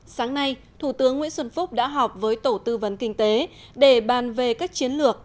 sáng nay thủ tướng nguyễn xuân phúc đã họp với tổ tư vấn kinh tế để bàn về các chiến lược